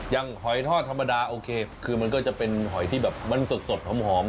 หอยทอดธรรมดาโอเคคือมันก็จะเป็นหอยที่แบบมันสดหอม